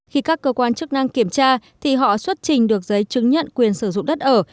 khi các cơ quan chức năng kiểm tra thì họ xuất trình được giấy chứng nhận quyền sử dụng đất ở